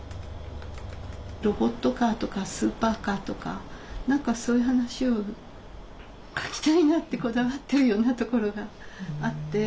ロボットカーとかスーパーカーとか何かそういう話を書きたいなってこだわってるようなところがあって。